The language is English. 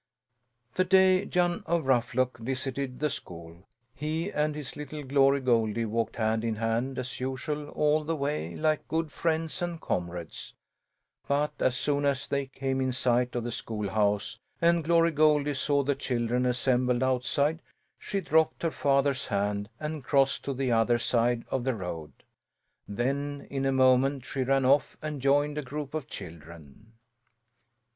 The day Jan of Ruffluck visited the school, he and his little Glory Goldie walked hand in hand, as usual, all the way, like good friends and comrades; but as soon as they came in sight of the schoolhouse and Glory Goldie saw the children assembled outside, she dropped her father's hand and crossed to the other side of the road. Then, in a moment, she ran off and joined a group of children.